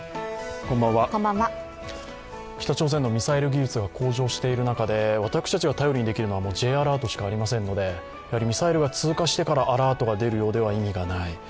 北朝鮮のミサイル技術が向上している中で私たちが頼りにできるのはＪアラートしかありませんので、ミサイルが通過してからアラートが出るようでは意味がない。